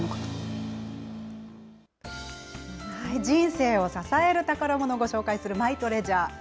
人生を支える宝ものを紹介するマイトレジャー。